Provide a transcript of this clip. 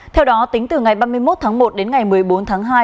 theo đó tính từ ngày ba mươi một tháng một đến ngày một mươi bốn tháng hai